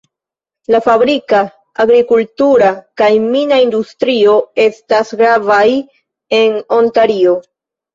La fabrika, agrikultura kaj mina industrioj estas gravaj en Ontario.